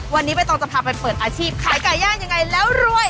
วันนี้ใบตองจะพาไปเปิดอาชีพขายไก่ย่างยังไงแล้วรวย